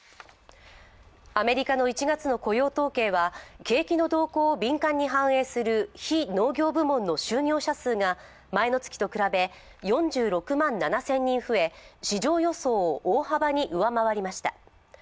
アメリカの１月の雇用統計は景気の動向を敏感に反映する非農業部門の就業者数が前の月と比べ４６万７０００人増え市場予想を大幅に上回りました。